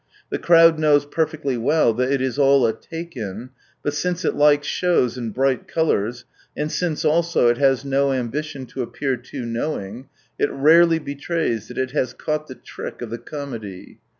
The crowd knows perfectly well that it is all a take in, but since it likes shoWs and bright colours, and since also it has no ambition to appear too knowing, it rarely betrays that it has caught the trick of the comedy.